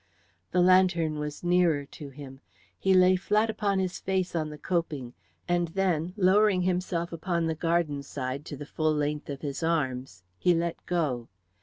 The lantern was nearer to him; he lay flat upon his face on the coping, and then lowering himself upon the garden side to the full length of his arms, he let go.